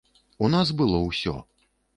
У нас было ўсё.